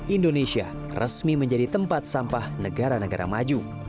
indonesia resmi menjadi tempat sampah negara negara maju